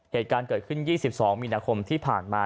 เหตุการณ์เกิดขึ้น๒๒มีนาคมที่ผ่านมา